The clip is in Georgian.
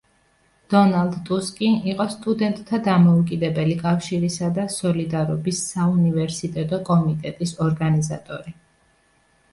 დონალდ ტუსკი იყო სტუდენტთა დამოუკიდებელი კავშირისა და სოლიდარობის საუნივერსიტეტო კომიტეტის ორგანიზატორი.